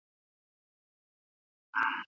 خو د دې قوم د یو ځای کولو